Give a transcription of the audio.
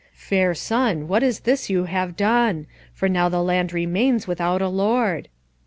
"Fair son, what is this you have done; for now the land remains without a lord!"